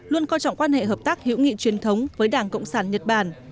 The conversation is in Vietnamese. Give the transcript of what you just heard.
luôn coi trọng quan hệ hợp tác hữu nghị truyền thống với đảng cộng sản nhật bản